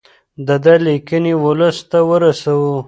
د ده لیکنې ولس ته ورسوو.